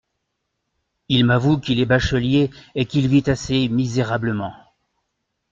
Il m'avoue qu'il est bachelier et qu'il vit assez misérablement.